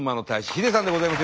秀さんでございます。